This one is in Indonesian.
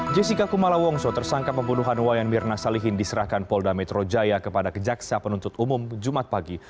jessica kumala wongso tersangka pembunuhan wayan mirna salihin diserahkan polda metro jaya kepada kejaksa penuntut umum jumat pagi